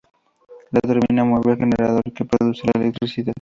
La turbina mueve el generador, que produce la electricidad.